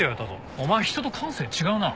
お前人と感性違うな。なあ？